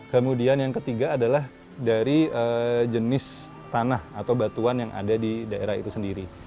kemudian yang ketiga adalah dari jenis tanah atau batuan yang ada di daerah itu sendiri